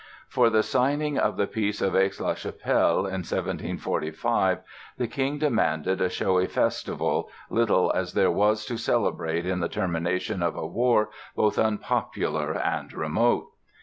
For the signing of the Peace of Aix la Chapelle in 1748, the King demanded a showy festival, little as there was to celebrate in the termination of a war both unpopular and remote.